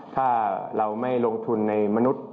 ถ้าเราไม่ลงทุนในมนุษย์